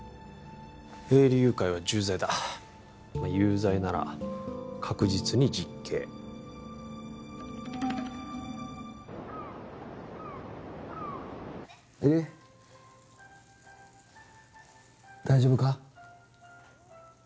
営利誘拐は重罪だ有罪なら確実に実刑絵里大丈夫か？